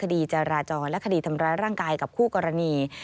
คดีจราจรและคดีทำร้ายร่างกายกับคู่กรณี